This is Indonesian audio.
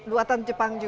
buatan jepang juga